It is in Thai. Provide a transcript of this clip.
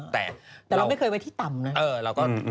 แต่เราไม่เคยไว้ที่ต่ำนะ